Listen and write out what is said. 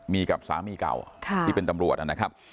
มีกับสามีเก่าที่เป็นตำรวจนะครับ